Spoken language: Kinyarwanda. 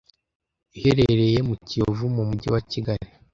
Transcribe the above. iherereye mu Kiyovu mu Mujyi wa Kigali